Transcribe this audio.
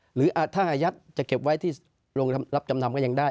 หรือถ้าอายัดจะเก็บไว้ที่โรงรับจำนำก็ยังได้